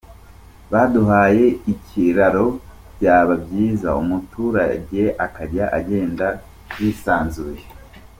Baduhaye ikiraro byaba byiza umuturage akajya agenda yisanzuye.